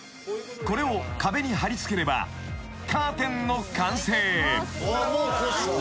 ［これを壁に張り付ければカーテンの完成］